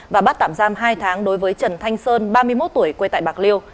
và bắt tạm giam hai tháng đối với trần thanh sơn ba mươi một tuổi quê tại bạc liêu